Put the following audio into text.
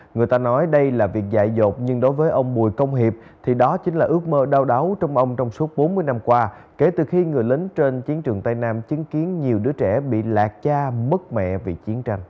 người ta nói đây là việc dạy dột nhưng đối với ông bùi công hiệp thì đó chính là ước mơ đau đáu trong ông trong suốt bốn mươi năm qua kể từ khi người lính trên chiến trường tây nam chứng kiến nhiều đứa trẻ bị lạc cha mất mẹ vì chiến tranh